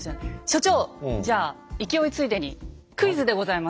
所長じゃあ勢いついでにクイズでございます。